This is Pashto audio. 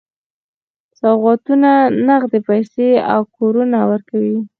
سوغاتونه، نغدي پیسې او کورونه ورکوي.